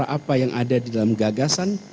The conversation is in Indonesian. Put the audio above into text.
dan keberanian yang ada di dalam gagasan